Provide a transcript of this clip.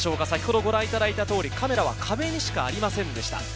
先ほどご覧いただいた通り、カメラは壁にしかありませんでした。